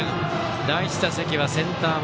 第１打席はセンター前。